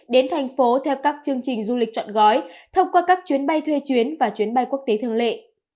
đến thành phố theo các chương trình du lịch chọn gói thông qua các chuyến bay thuê chuyến và chuyến bay quốc tế thường lệ